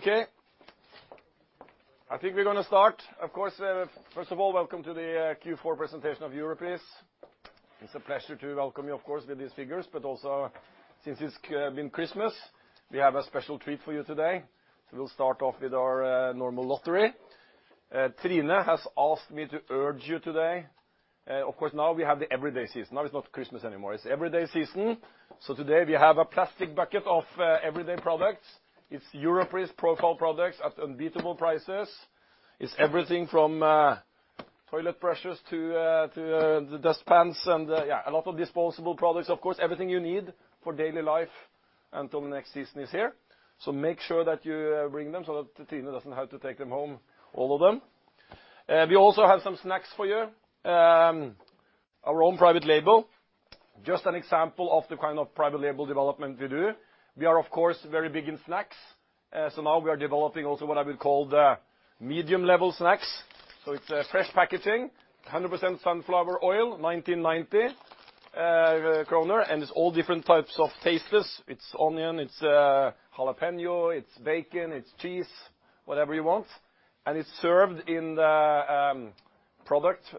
Okay. I think we're going to start. Of course, first of all, welcome to the Q4 presentation of Europris. It's a pleasure to welcome you, of course, with these figures, but also since it's been Christmas, we have a special treat for you today. We'll start off with our normal lottery. Trine has asked me to urge you today. Of course, now we have the everyday season. Now it's not Christmas anymore, it's everyday season. Today we have a plastic bucket of everyday products. It's Europris profile products at unbeatable prices. It's everything from toilet brushes to the dustpans and, yeah, a lot of disposable products, of course. Everything you need for daily life until next season is here. Make sure that you bring them so that Trine doesn't have to take them home, all of them. We also have some snacks for you. Our own private label, just an example of the kind of private label development we do. We are, of course, very big in snacks. Now we are developing also what I would call the medium-level snacks. It's fresh packaging, 100% sunflower oil, 19.90 kroner. It's all different types of tastes. It's onion, it's jalapeno, it's bacon, it's cheese, whatever you want. It's served in the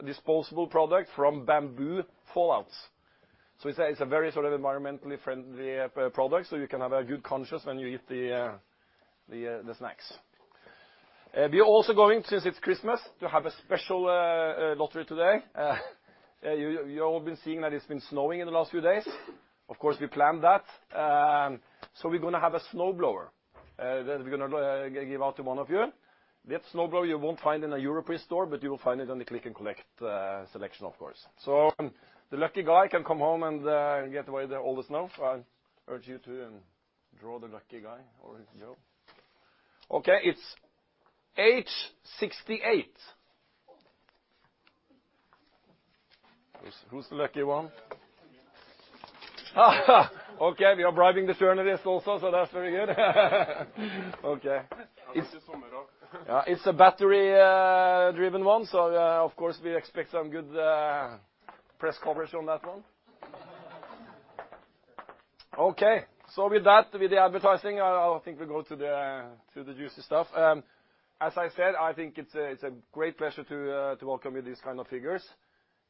disposable product from bamboo fallouts. It's a very environmentally friendly product, so you can have a good conscience when you eat the snacks. We are also going, since it's Christmas, to have a special lottery today. You all have been seeing that it's been snowing in the last few days. Of course, we planned that. We're going to have a snowblower that we're going to give out to one of you. That snowblower, you won't find in a Europris store, but you will find it on the click and collect selection, of course. The lucky guy can come home and get away all the snow. I urge you to draw the lucky guy or girl. Okay, it's H68. Who's the lucky one? Okay, we are bribing the journalist also, so that's very good. Okay. It's a battery-driven one, so of course, we expect some good press coverage on that one. Okay. With that, with the advertising, I think we go to the juicy stuff. As I said, I think it's a great pleasure to welcome you with these kind of figures.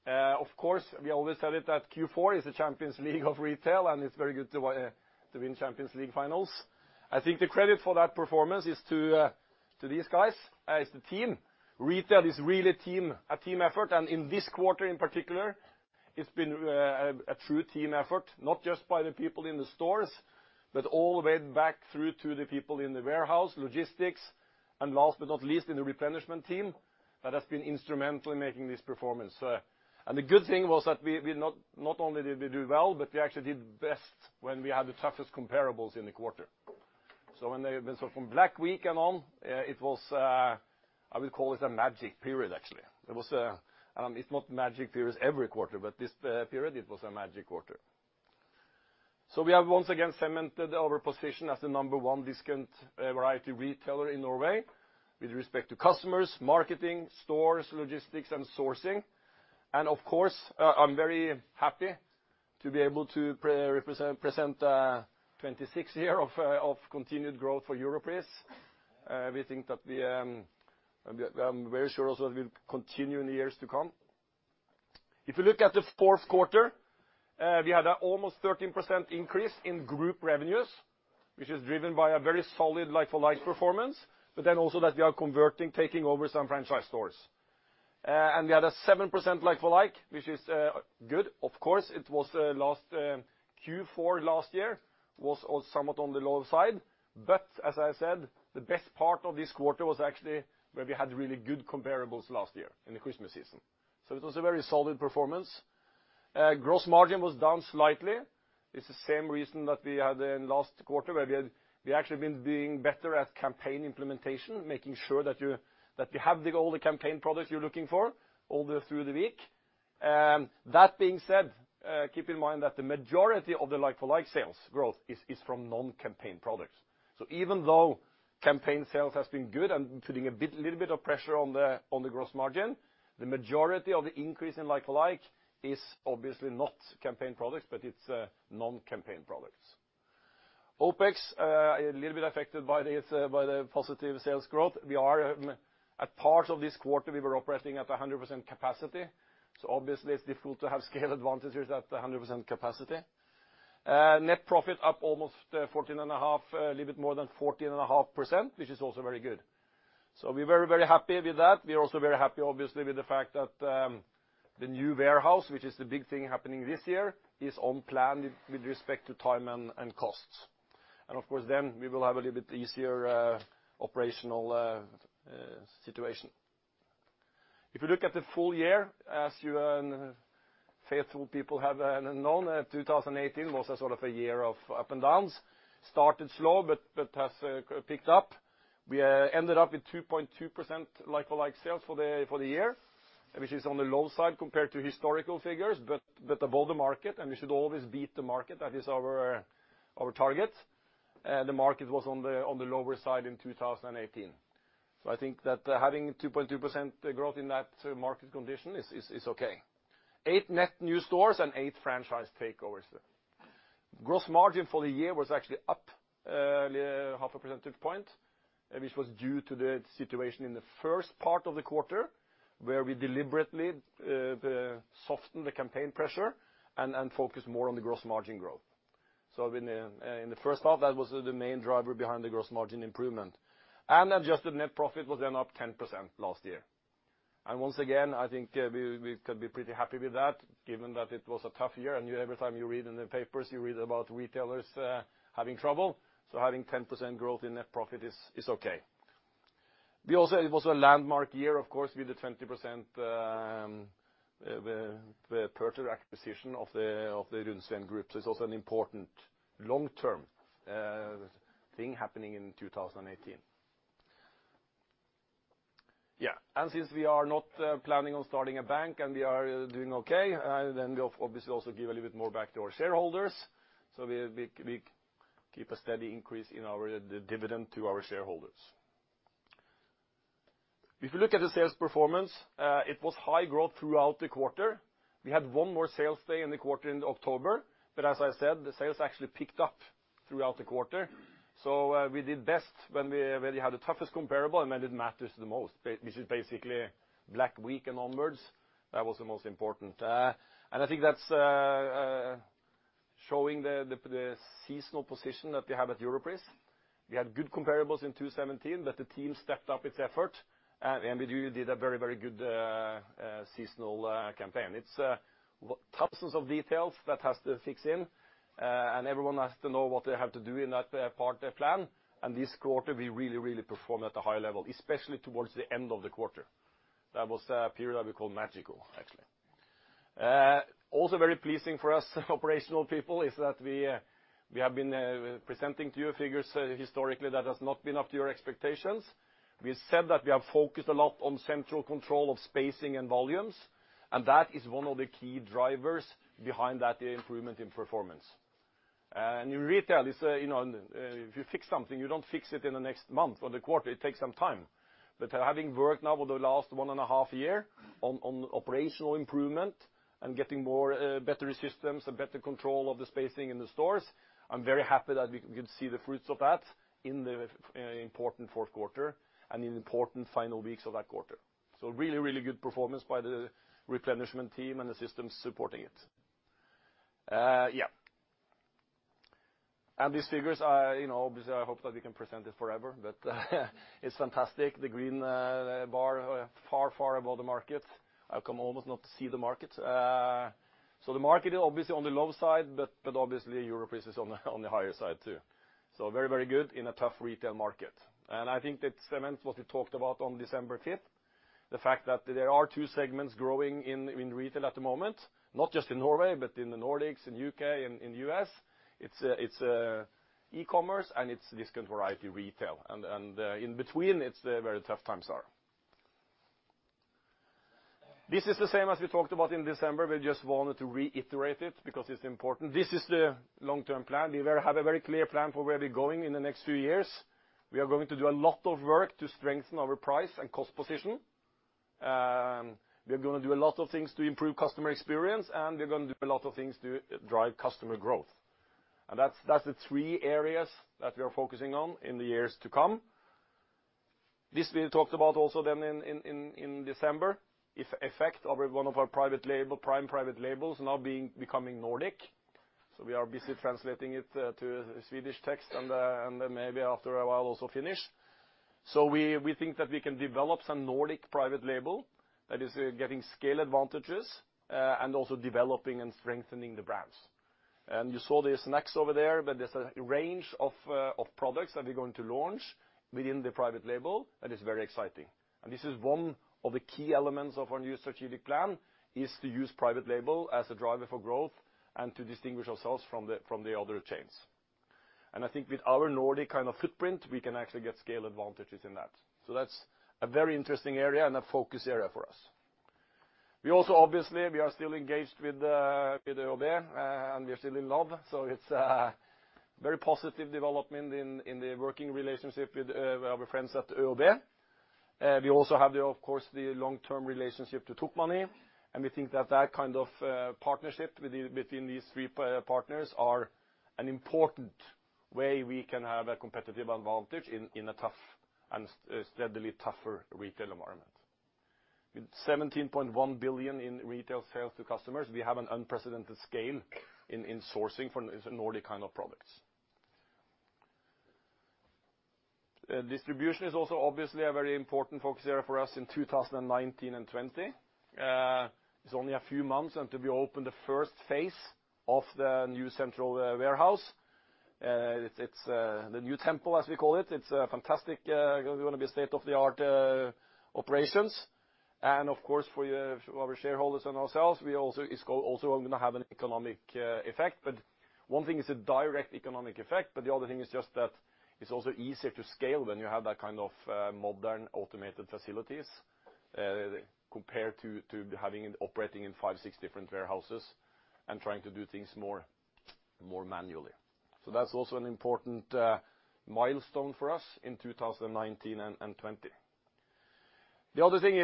Of course, we always said it that Q4 is the Champions League of retail, and it's very good to win Champions League finals. I think the credit for that performance is to these guys, is the team. Retail is really a team effort, and in this quarter in particular, it's been a true team effort, not just by the people in the stores, but all the way back through to the people in the warehouse, logistics, and last but not least, in the replenishment team that has been instrumental in making this performance. The good thing was that not only did we do well, but we actually did best when we had the toughest comparables in the quarter. From Black Week and on, I would call it a magic period, actually. It's not magic period every quarter, but this period it was a magic quarter. We have once again cemented our position as the number one discount variety retailer in Norway with respect to customers, marketing, stores, logistics, and sourcing. Of course, I'm very happy to be able to present 26 years of continued growth for Europris. I'm very sure also that it will continue in the years to come. If you look at the fourth quarter, we had almost 13% increase in group revenues, which is driven by a very solid like-for-like performance. Also, that we are converting, taking over some franchise stores. We had a 7% like-for-like, which is good. Of course, it was last Q4 last year was somewhat on the lower side. As I said, the best part of this quarter was actually where we had really good comparables last year in the Christmas season. It was a very solid performance. Gross margin was down slightly. It's the same reason that we had in last quarter, where we actually been being better at campaign implementation, making sure that we have all the campaign products you're looking for all through the week. That being said, keep in mind that the majority of the like-for-like sales growth is from non-campaign products. Even though campaign sales has been good and putting a little bit of pressure on the gross margin, the majority of the increase in like-for-like is obviously not campaign products, but it's non-campaign products. OpEx, a little bit affected by the positive sales growth. A part of this quarter, we were operating at 100% capacity. Obviously it's difficult to have scale advantages at 100% capacity. Net profit up almost 14.5%, a little bit more than 14.5%, which is also very good. We're very happy with that. We are also very happy, obviously, with the fact that the new warehouse, which is the big thing happening this year, is on plan with respect to time and costs. Of course then, we will have a little bit easier operational situation. If you look at the full year, as you faithful people have known, 2018 was a sort of a year of up and downs. Started slow but has picked up. We ended up with 2.2% like-for-like sales for the year, which is on the low side compared to historical figures, but above the market, we should always beat the market. That is our target. The market was on the lower side in 2018. I think that having 2.2% growth in that market condition is okay. Eight net new stores and eight franchise takeovers. Gross margin for the year was actually up half a percentage point, which was due to the situation in the first part of the quarter, where we deliberately softened the campaign pressure and focused more on the gross margin growth. In the first half, that was the main driver behind the gross margin improvement. Adjusted net profit was then up 10% last year. Once again, I think we can be pretty happy with that, given that it was a tough year and every time you read in the papers, you read about retailers having trouble. Having 10% growth in net profit is okay. It was also a landmark year, of course, with the 20% partial acquisition of the Runsvengruppen. It's also an important long-term thing happening in 2018. Yeah. Since we are not planning on starting a bank and we are doing okay, we obviously also give a little bit more back to our shareholders. We keep a steady increase in our dividend to our shareholders. If you look at the sales performance, it was high growth throughout the quarter. We had one more sales day in the quarter in October. As I said, the sales actually picked up throughout the quarter. We did best when we really had the toughest comparable and when it matters the most, which is basically Black Week and onwards. That was the most important. I think that's showing the seasonal position that we have at Europris. We had good comparables in 2017, the team stepped up its effort, and we really did a very good seasonal campaign. It's thousands of details that has to fix in, everyone has to know what they have to do in that part of their plan. This quarter, we really, really performed at a high level, especially towards the end of the quarter. That was a period that we call magical, actually. Very pleasing for us operational people is that we have been presenting to you figures historically that has not been up to your expectations. We said that we are focused a lot on central control of spacing and volumes, that is one of the key drivers behind that improvement in performance. In retail, if you fix something, you don't fix it in the next month or the quarter. It takes some time. Having worked now over the last one and a half year on operational improvement and getting better systems and better control of the spacing in the stores, I'm very happy that we could see the fruits of that in the important fourth quarter and in important final weeks of that quarter. Really, really good performance by the replenishment team and the systems supporting it. Yeah. These figures, obviously, I hope that we can present it forever, it's fantastic. The green bar far above the market. I can almost not see the market. The market is obviously on the low side, obviously Europris is on the higher side, too. Very good in a tough retail market. I think that cements what we talked about on December 5th, the fact that there are two segments growing in retail at the moment, not just in Norway, but in the Nordics, in U.K., in U.S. It's e-commerce and it's discount variety retail. In between, it's where the tough times are. This is the same as we talked about in December. We just wanted to reiterate it because it's important. This is the long-term plan. We have a very clear plan for where we're going in the next few years. We are going to do a lot of work to strengthen our price and cost position. We are going to do a lot of things to improve customer experience, we're going to do a lot of things to drive customer growth. That's the three areas that we are focusing on in the years to come. This we talked about also then in December, effect of one of our prime private labels now becoming Nordic. We are busy translating it to Swedish text and then maybe after a while, also Finnish. We think that we can develop some Nordic private label that is getting scale advantages and also developing and strengthening the brands. You saw the snacks over there, but there's a range of products that we're going to launch within the private label that is very exciting. This is one of the key elements of our new strategic plan is to use private label as a driver for growth and to distinguish ourselves from the other chains. I think with our Nordic kind of footprint, we can actually get scale advantages in that. That's a very interesting area and a focus area for us. We also, obviously, we are still engaged with ÖoB. We are still in love, it's a very positive development in the working relationship with our friends at ÖoB. We also have, of course, the long-term relationship to Tokmanni. We think that that kind of partnership between these three partners are an important way we can have a competitive advantage in a tough and steadily tougher retail environment. With 17.1 billion in retail sales to customers, we have an unprecedented scale in sourcing for these Nordic kind of products. Distribution is also obviously a very important focus area for us in 2019 and 2020. It's only a few months until we open the first phase of the new central warehouse. It's the new temple, as we call it. It's fantastic. We want to be state-of-the-art operations. Of course, for our shareholders and ourselves, it's also going to have an economic effect. One thing is a direct economic effect, but the other thing is just that it's also easier to scale when you have that kind of modern automated facilities, compared to operating in five, six different warehouses and trying to do things more manually. That's also an important milestone for us in 2019 and 2020. The other thing,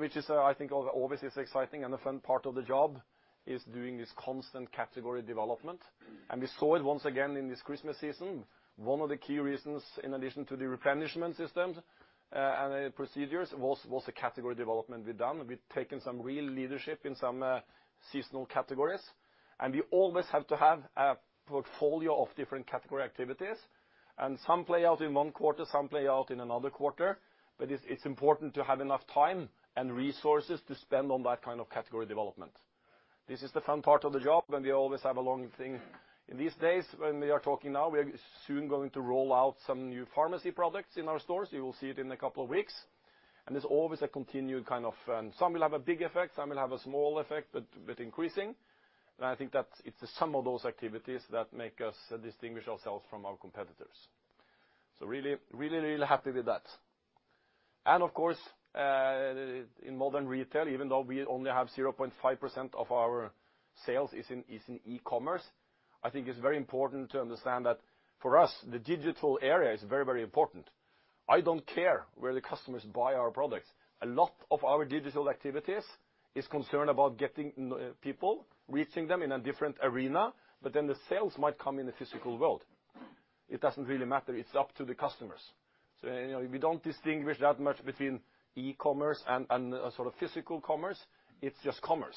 which I think obviously is exciting and a fun part of the job, is doing this constant category development. We saw it once again in this Christmas season. One of the key reasons, in addition to the replenishment systems and procedures, was the category development we've done. We've taken some real leadership in some seasonal categories. We always have to have a portfolio of different category activities. Some play out in one quarter, some play out in another quarter. It's important to have enough time and resources to spend on that kind of category development. This is the fun part of the job. We always have a long thing. In these days, when we are talking now, we are soon going to roll out some new pharmacy products in our stores. You will see it in a couple of weeks. There's always a continued kind of Some will have a big effect, some will have a small effect, but increasing. I think that it's the sum of those activities that make us distinguish ourselves from our competitors. Really, really happy with that. Of course, in modern retail, even though we only have 0.5% of our sales is in e-commerce, I think it's very important to understand that for us, the digital area is very important. I don't care where the customers buy our products. A lot of our digital activities is concerned about getting people, reaching them in a different arena, then the sales might come in the physical world. It doesn't really matter. It's up to the customers. We don't distinguish that much between e-commerce and physical commerce. It's just commerce.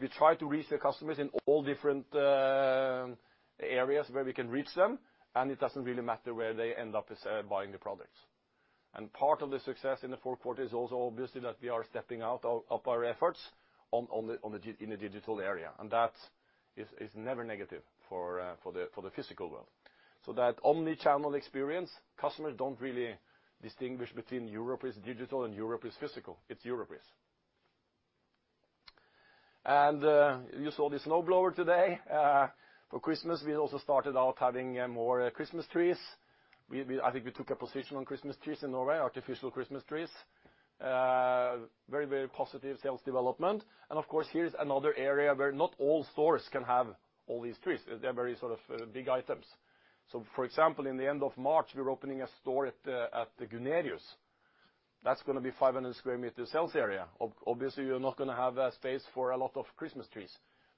We try to reach the customers in all different areas where we can reach them, and it doesn't really matter where they end up buying the products. Part of the success in the fourth quarter is also obviously that we are stepping up our efforts in the digital area. That is never negative for the physical world. That omni-channel experience, customers don't really distinguish between Europris digital and Europris physical. It's Europris. You saw the snowblower today. For Christmas, we also started out having more Christmas trees. I think we took a position on Christmas trees in Norway, artificial Christmas trees. Very positive sales development. Of course, here's another area where not all stores can have all these trees. They're very big items. For example, in the end of March, we're opening a store at the Gunerius. That's going to be 500 sq m sales area. Obviously, you're not going to have space for a lot of Christmas trees,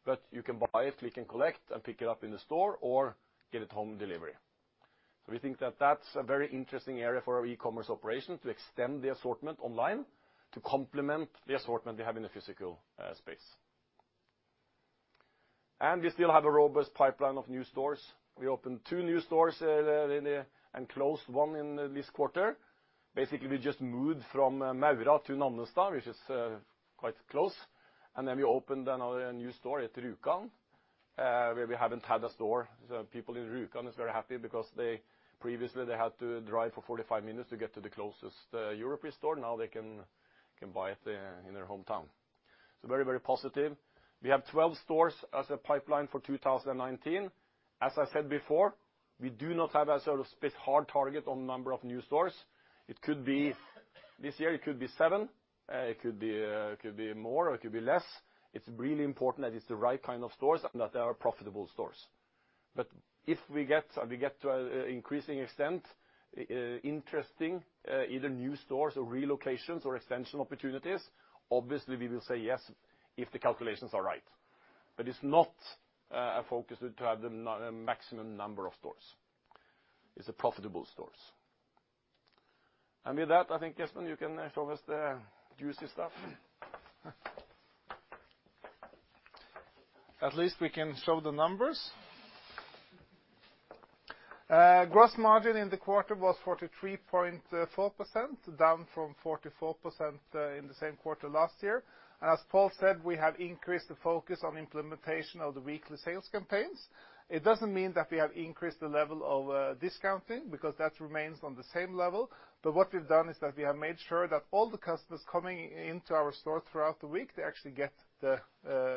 but you can buy it, click and collect, and pick it up in the store or get it home delivery. We think that that's a very interesting area for our e-commerce operation to extend the assortment online to complement the assortment we have in the physical space. We still have a robust pipeline of new stores. We opened two new stores and closed one in this quarter. Basically, we just moved from Maura to Nannestad, which is quite close. Then we opened another new store at Rjukan, where we haven't had a store. People in Rjukan is very happy because previously they had to drive for 45 minutes to get to the closest Europris store. Now they can buy it in their hometown. Very positive. We have 12 stores as a pipeline for 2019. As I said before, we do not have a sort of hard target on number of new stores. This year it could be seven, it could be more or it could be less. It's really important that it's the right kind of stores and that they are profitable stores. If we get to an increasing extent, interesting, either new stores or relocations or expansion opportunities, obviously, we will say yes if the calculations are right. It's not our focus to have the maximum number of stores. It's the profitable stores. With that, I think, Espen, you can show us the juicy stuff. At least we can show the numbers. Gross margin in the quarter was 43.4%, down from 44% in the same quarter last year. As Pål said, we have increased the focus on implementation of the weekly sales campaigns. It doesn't mean that we have increased the level of discounting because that remains on the same level. What we've done is that we have made sure that all the customers coming into our store throughout the week, they actually get the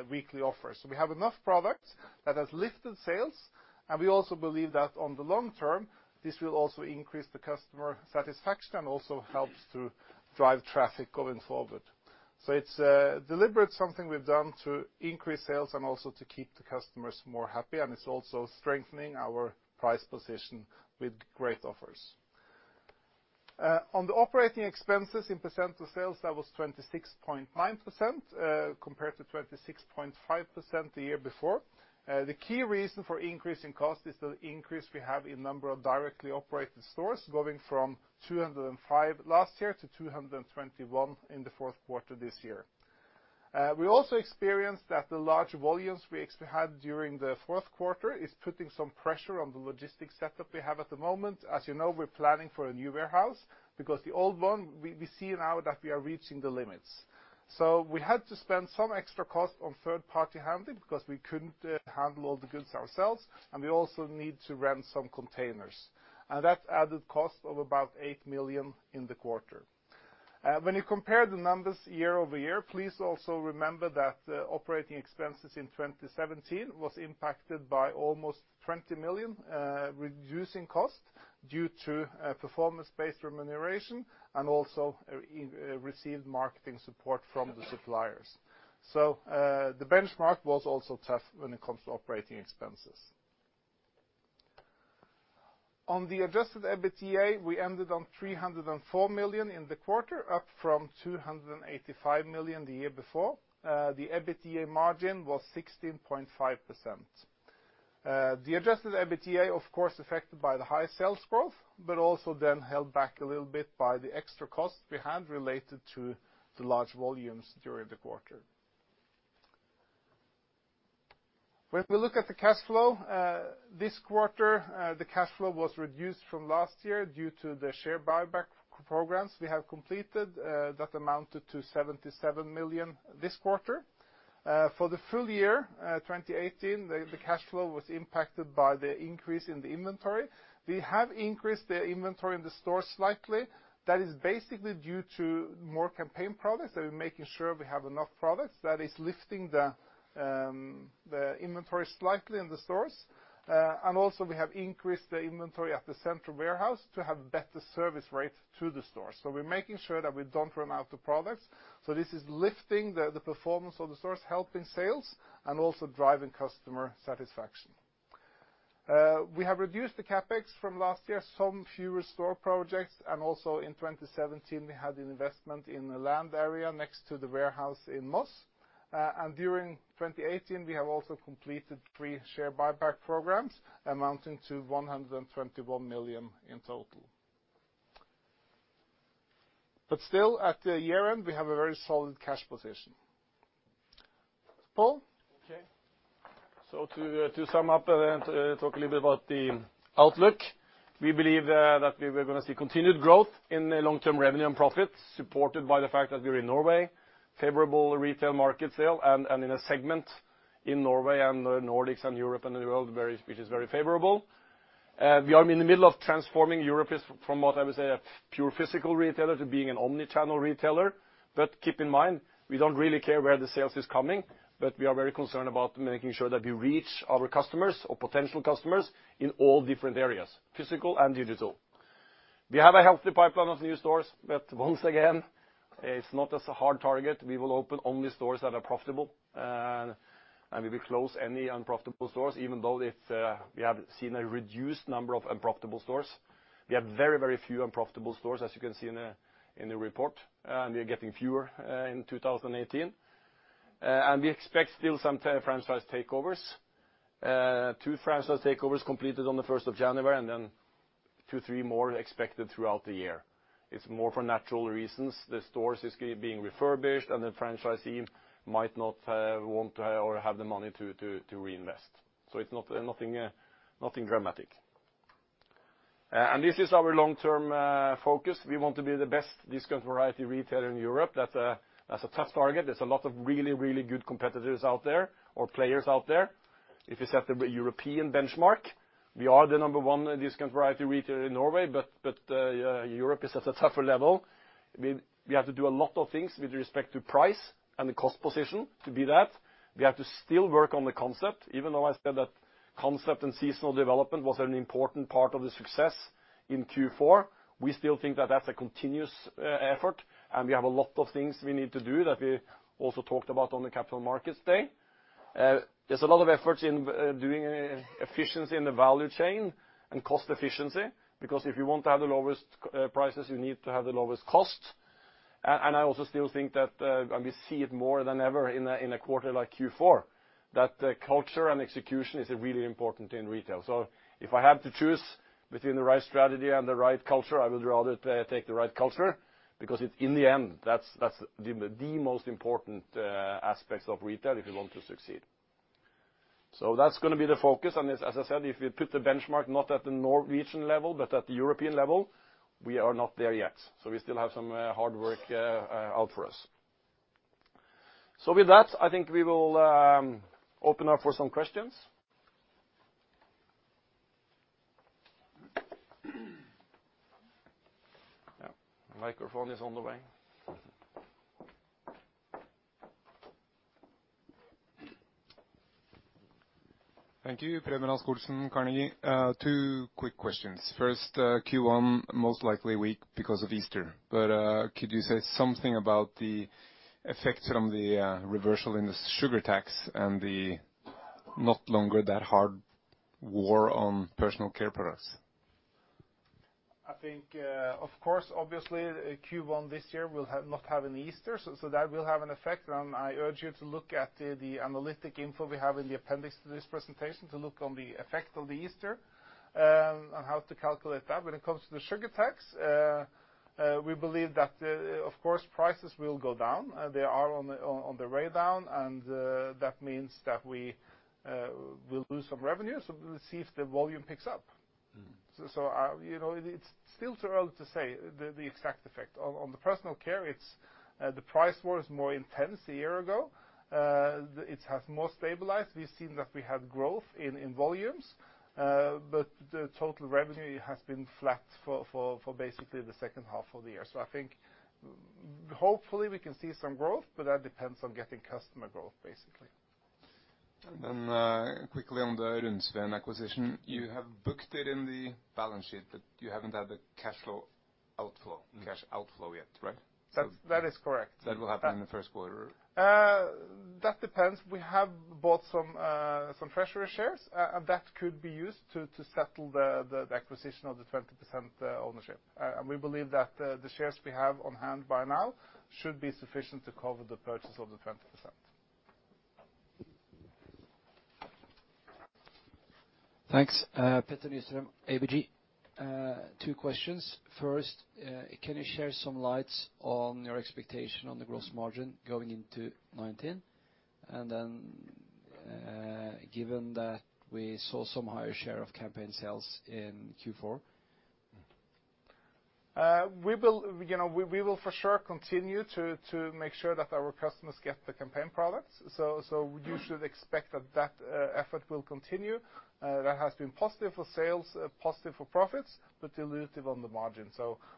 weekly offer. We have enough product that has lifted sales, and we also believe that on the long term, this will also increase the customer satisfaction, also helps to drive traffic going forward. It's deliberately something we've done to increase sales and also to keep the customers more happy, and it's also strengthening our price position with great offers. On the operating expenses in percent of sales, that was 26.9%, compared to 26.5% the year before. The key reason for increase in cost is the increase we have in number of directly operated stores, going from 205 last year to 221 in the fourth quarter this year. We also experienced that the large volumes we had during the fourth quarter is putting some pressure on the logistics setup we have at the moment. As you know, we're planning for a new warehouse because the old one, we see now that we are reaching the limits. We had to spend some extra cost on third party handling because we couldn't handle all the goods ourselves, and we also need to rent some containers. That added cost of about 8 million in the quarter. When you compare the numbers year-over-year, please also remember that operating expenses in 2017 was impacted by almost 20 million, reducing cost due to performance-based remuneration and also received marketing support from the suppliers. The benchmark was also tough when it comes to operating expenses. On the adjusted EBITDA, we ended on 304 million in the quarter, up from 285 million the year before. The EBITDA margin was 16.5%. The adjusted EBITDA, of course, affected by the high sales growth, but also then held back a little bit by the extra costs we had related to the large volumes during the quarter. If we look at the cash flow, this quarter the cash flow was reduced from last year due to the share buyback programs we have completed that amounted to 77 million this quarter. For the full year 2018, the cash flow was impacted by the increase in the inventory. We have increased the inventory in the store slightly. That is basically due to more campaign products, that we're making sure we have enough products that is lifting the inventory slightly in the stores. Also we have increased the inventory at the central warehouse to have better service rate to the stores. We're making sure that we don't run out of products. This is lifting the performance of the stores, helping sales, and also driving customer satisfaction. We have reduced the CapEx from last year, some fewer store projects. Also in 2017, we had an investment in the land area next to the warehouse in Moss. During 2018, we have also completed three share buyback programs amounting to 121 million in total. Still at the year-end, we have a very solid cash position. Pål? To sum up and talk a little bit about the outlook, we believe that we are going to see continued growth in the long-term revenue and profits supported by the fact that we are in Norway, favorable retail market sale, and in a segment in Norway and the Nordics and Europe and the world, which is very favorable. We are in the middle of transforming Europris from what I would say a pure physical retailer to being an omni-channel retailer. Keep in mind, we don't really care where the sales is coming, but we are very concerned about making sure that we reach our customers or potential customers in all different areas, physical and digital. We have a healthy pipeline of new stores, but once again, it's not as a hard target. We will open only stores that are profitable, and we will close any unprofitable stores, even though we have seen a reduced number of unprofitable stores. We have very few unprofitable stores, as you can see in the report, and we are getting fewer in 2018. We expect still some franchise takeovers. Two franchise takeovers completed on the 1st of January, and then two, three more expected throughout the year. It's more for natural reasons. The stores is being refurbished, and the franchisee might not want to or have the money to reinvest. It's nothing dramatic. This is our long-term focus. We want to be the best discount variety retailer in Europe. That's a tough target. There's a lot of really good competitors out there or players out there. If you set the European benchmark, we are the number one discount variety retailer in Norway, but Europe is at a tougher level. We have to do a lot of things with respect to price and the cost position to be that. We have to still work on the concept, even though I said that concept and seasonal development was an important part of the success in Q4, we still think that that's a continuous effort, and we have a lot of things we need to do that we also talked about on the capital markets day. There's a lot of efforts in doing efficiency in the value chain and cost efficiency, because if you want to have the lowest prices, you need to have the lowest cost. I also still think that, and we see it more than ever in a quarter like Q4, that culture and execution is really important in retail. If I have to choose between the right strategy and the right culture, I would rather take the right culture because it's in the end, that's the most important aspects of retail if you want to succeed. That's going to be the focus on this. As I said, if we put the benchmark not at the Norwegian level, but at the European level, we are not there yet. We still have some hard work out for us. With that, I think we will open up for some questions. Yeah, microphone is on the way. Thank you. Preben Rasch-Olsen, Carnegie. Two quick questions. First, Q1 most likely weak because of Easter, but could you say something about the effect from the reversal in the sugar tax and the not longer that hard war on personal care products? I think, of course, obviously Q1 this year will not have an Easter, so that will have an effect, and I urge you to look at the analytic info we have in the appendix to this presentation to look on the effect of the Easter, and how to calculate that. When it comes to the sugar tax, we believe that, of course, prices will go down. They are on the way down, and that means that we will lose some revenue. We'll see if the volume picks up. It's still too early to say the exact effect. On the personal care, the price war is more intense a year ago. It has more stabilized. We've seen that we have growth in volumes, but the total revenue has been flat for basically the second half of the year. I think hopefully we can see some growth, but that depends on getting customer growth, basically. Quickly on the Runsvengruppen acquisition, you have booked it in the balance sheet, but you haven't had the cash outflow yet, right? That is correct. That will happen in the first quarter? That depends. We have bought some treasury shares, that could be used to settle the acquisition of the 20% ownership. We believe that the shares we have on hand by now should be sufficient to cover the purchase of the 20%. Thanks. Petter Nystrøm, ABG. Two questions. First, can you share some light on your expectation on the gross margin going into 2019? Then, given that we saw some higher share of campaign sales in Q4? We will for sure continue to make sure that our customers get the campaign products. You should expect that that effort will continue. That has been positive for sales, positive for profits, but dilutive on the margin.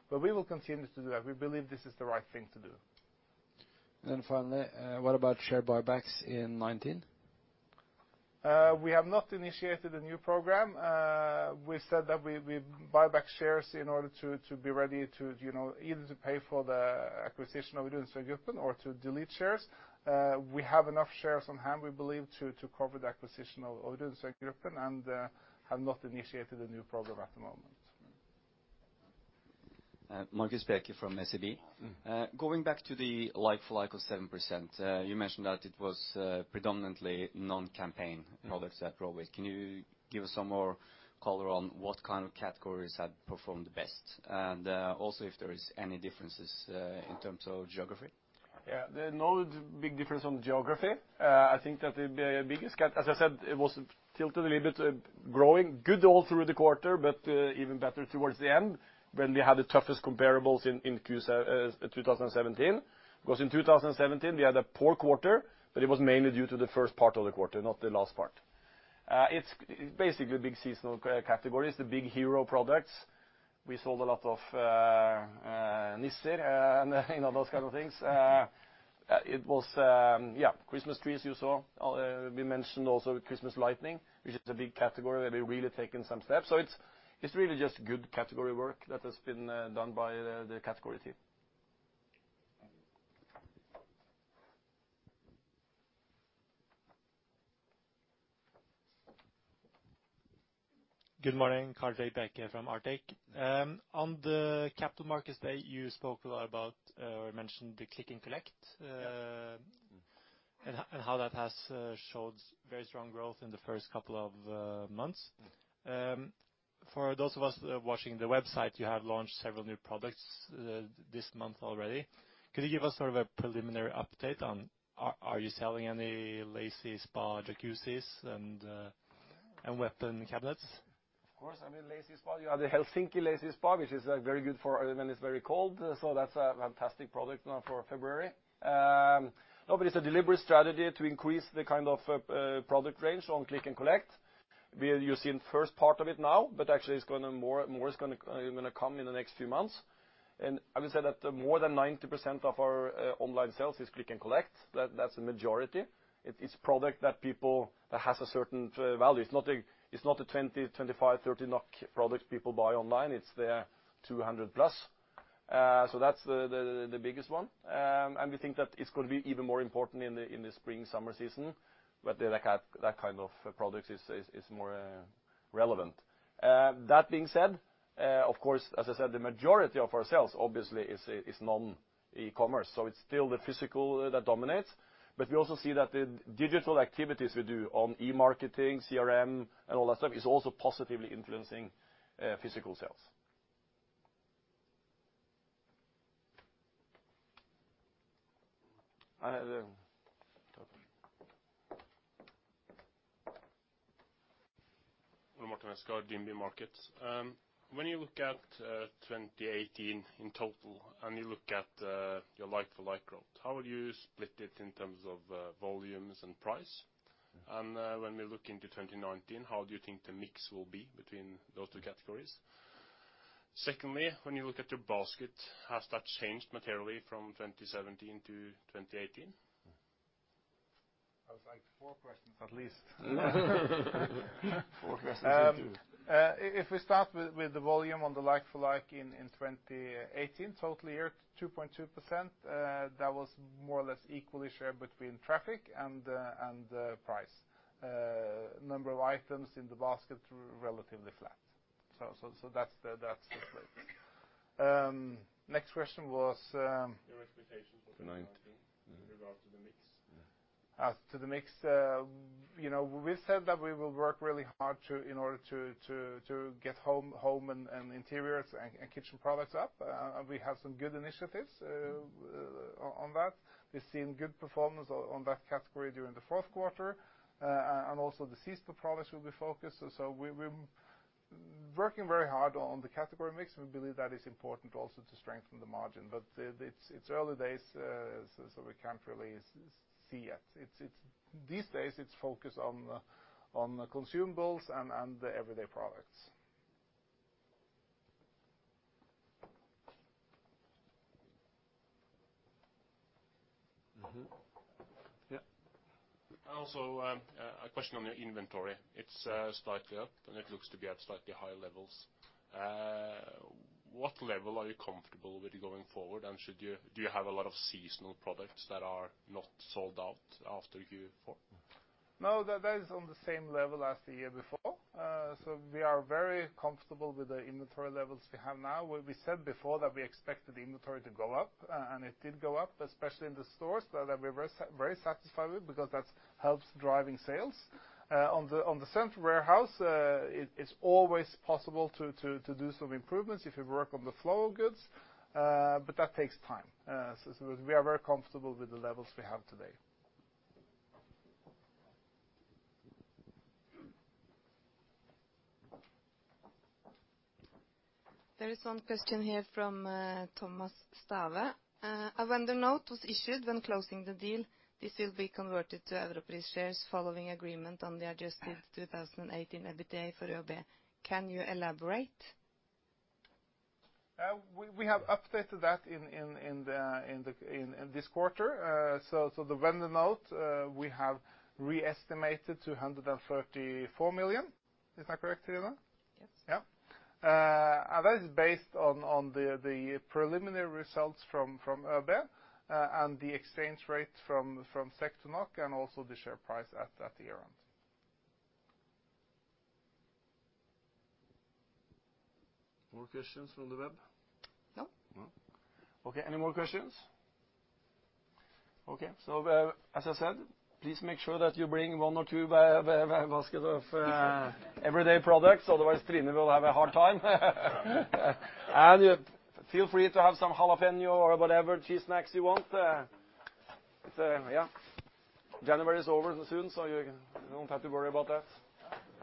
We will continue to do that. We believe this is the right thing to do. Finally, what about share buybacks in 2019? We have not initiated a new program. We said that we'd buy back shares in order to be ready to either pay for the acquisition of Runsvengruppen or to delete shares. We have enough shares on hand, we believe, to cover the acquisition of Runsvengruppen, and have not initiated a new program at the moment. Marcus Bjerke from SEB. Going back to the like-for-like of 7%, you mentioned that it was predominantly non-campaign products that drove it. Can you give us some more color on what kind of categories have performed the best? Also if there is any differences in terms of geography? Yeah. No big difference on geography. I think that the biggest as I said, it was tilted a little bit, growing good all through the quarter, but even better towards the end, when we had the toughest comparables in 2017. In 2017, we had a poor quarter, but it was mainly due to the first part of the quarter, not the last part. It's basically big seasonal categories, the big hero products. We sold a lot of nisser and those kind of things. It was, yeah, Christmas trees, you saw. We mentioned also Christmas lightning, which is a big category that we've really taken some steps. It's really just good category work that has been done by the category team. Good morning, Carl Bjerke from Arctic. On the Capital Markets Day, you spoke a lot about or mentioned the click and collect and how that has showed very strong growth in the first couple of months. For those of us watching the website, you have launched several new products this month already. Could you give us sort of a preliminary update on, are you selling any Lay-Z-Spa Jacuzzis and weapon cabinets? Of course. I mean, Lay-Z-Spa, you have the Lay-Z-Spa Helsinki, which is very good for when it's very cold. That's a fantastic product now for February. It's a deliberate strategy to increase the kind of product range on click and collect, where you've seen the first part of it now, but actually more is going to come in the next few months. I would say that more than 90% of our online sales is click and collect. That's a majority. It's product that people, that has a certain value. It's not a 20, 25, 30 NOK product people buy online. It's their 200-plus. That's the biggest one. We think that it's going to be even more important in the spring-summer season, where that kind of product is more relevant. That being said, of course, as I said, the majority of our sales obviously is non-e-commerce, it's still the physical that dominates. We also see that the digital activities we do on e-marketing, CRM and all that stuff is also positively influencing physical sales. Hello. Martin Westgaard, DNB Markets. When you look at 2018 in total, and you look at your like-for-like growth, how would you split it in terms of volumes and price? When we look into 2019, how do you think the mix will be between those two categories? Secondly, when you look at your basket, has that changed materially from 2017 to 2018? That's like four questions at least. Four questions in two. If we start with the volume on the like-for-like in 2018, total year, 2.2%. That was more or less equally shared between traffic and price. Number of items in the basket, relatively flat. That's the split. Next question was? Your expectations for 2019 in regard to the mix. As to the mix, we said that we will work really hard in order to get home and interiors and kitchen products up. We have some good initiatives on that. We've seen good performance on that category during the fourth quarter. Also the seasonal products will be focused. We're working very hard on the category mix, and we believe that is important also to strengthen the margin. It's early days, so we can't really see yet. These days, it's focused on the consumables and the everyday products. Also, a question on your inventory. It's slightly up, and it looks to be at slightly higher levels. What level are you comfortable with going forward, and do you have a lot of seasonal products that are not sold out after Q4? No, that is on the same level as the year before. We are very comfortable with the inventory levels we have now. We said before that we expected the inventory to go up, and it did go up, especially in the stores. We're very satisfied with it because that helps driving sales. On the central warehouse, it's always possible to do some improvements if you work on the flow of goods, but that takes time. We are very comfortable with the levels we have today. There is one question here from Thomas Fosstveit. A vendor note was issued when closing the deal. This will be converted to Europris shares following agreement on the adjusted 2018 EBITDA for ÖoB. Can you elaborate? We have updated that in this quarter. The vendor note, we have re-estimated to 134 million. Is that correct, Trine? Yes. Yeah. That is based on the preliminary results from ÖoB and the exchange rate from SEK to NOK and also the share price at the year-end. More questions from the web? No. Okay. Any more questions? Okay. As I said, please make sure that you bring one or two basket of everyday products. Otherwise, Trine will have a hard time. Feel free to have some jalapeno or whatever cheese snacks you want. Yeah. January is over soon, so you don't have to worry about that.